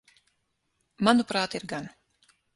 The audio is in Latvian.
Manuprāt, ir gan.